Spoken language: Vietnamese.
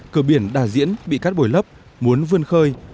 cửa biển đà diễn bị cắt bồi lấp muốn vươn khơi